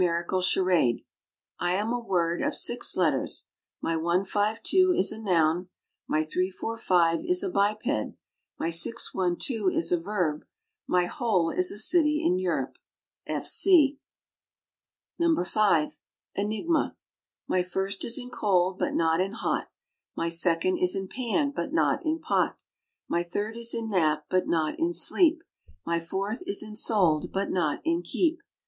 4. NUMERICAL CHARADE. I am a word of 6 letters. My 1, 5, 2 is a noun. My 3, 4, 5 is a biped. My 6, 1, 2 is a verb. My whole is a city in Europe. F. C. No. 5. ENIGMA. My first is in cold, but not in hot. My second is in pan, but not in pot. My third is in nap, but not in sleep. My fourth is in sold, but not in keep.